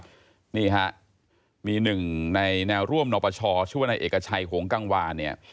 ช่วงเช้านะครับนี่ฮะมีหนึ่งในแนวร่วมหนอประชอชั่วในเอกชัยของกังวาเนี่ย